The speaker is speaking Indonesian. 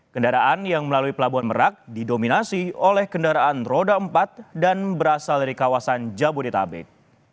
kendaraan yang melalui pelabuhan merak didominasi oleh kendaraan roda empat dan berasal dari kawasan jabodetabek